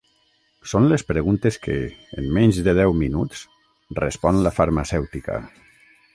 Són les preguntes que, en menys de deu minuts, respon la farmacèutica.